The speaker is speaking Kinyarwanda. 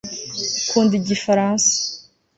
ukunda igifaransa